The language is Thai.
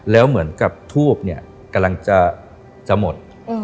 แล้วเหมือนกับทูบเนี่ยกำลังจะหมด